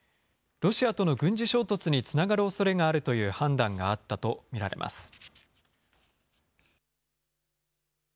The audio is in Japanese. ロシアとの軍事衝突につながるおそれがあるという判断があったと見られます。